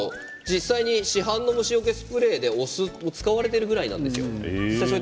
市販の虫よけスプレーでお酢が使われているぐらいです。